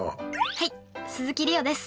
はい鈴木梨予です。